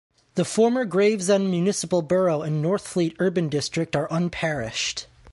The former Gravesend Municipal Borough and Northfleet Urban District are unparished.